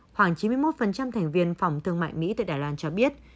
khoảng chín mươi một thành viên phòng thương mại mỹ tại đài loan cho biết